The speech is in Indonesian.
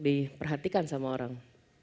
diperhatikan sama orang